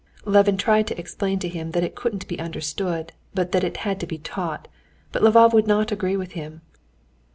Levin tried to explain to him that it couldn't be understood, but that it had to be taught; but Lvov would not agree with him.